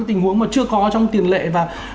tình huống mà chưa có trong tiền lệ và